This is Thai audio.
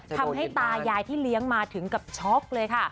ตายายที่เลี้ยงมาถึงกับช็อกเลยค่ะ